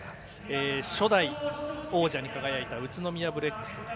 初代王者に輝いた宇都宮ブレックス。